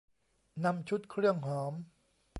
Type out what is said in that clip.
นำชุดเครื่องหอม